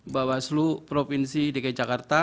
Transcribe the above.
bawaslu provinsi dki jakarta